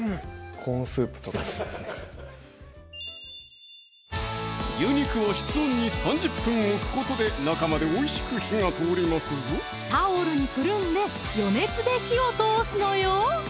コーンスープとかそうですね牛肉は室温に３０分置くことで中までおいしく火が通りますぞタオルに包んで余熱で火を通すのよ